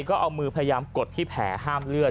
ก็เอามือพยายามกดที่แผลห้ามเลือด